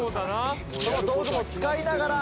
その道具も使いながら。